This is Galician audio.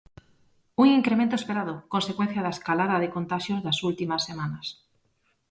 Un incremento esperado, consecuencia da escalada de contaxios das últimas semanas.